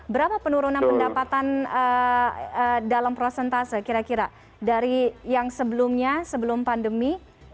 berapa penurunan pendapatan dalam prosentase kira kira dari yang sebelumnya sebelum pandemi